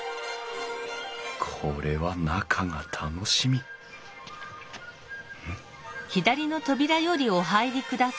これは中が楽しみん？